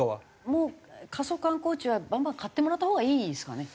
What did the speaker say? もう過疎観光地はバンバン買ってもらったほうがいいですかね？